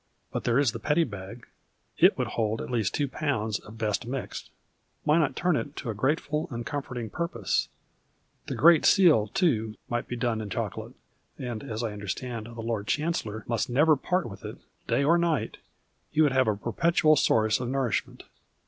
But there is the Petty liag. It would hold at least 2 lb. of best mixed. Why not turn it to a grateful and comforting purpose ? The Great Seal, too, might be done in chocolate, and as I under stand the Lord Chancellor nnist never part with it, day or night, he would have a perpetual source of nourishment.